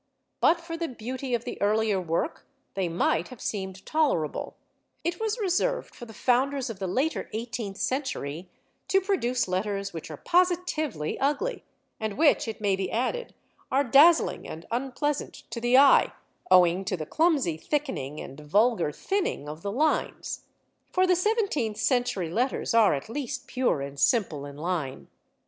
But for the beauty of the earlier work they might have seemed tolerable. It was reserved for the founders of the later eighteenth century to produce letters which are positively ugly, and which, it may be added, are dazzling and unpleasant to the eye owing to the clumsy thickening and vulgar thinning of the lines: for the seventeenth century letters are at least pure and simple in line.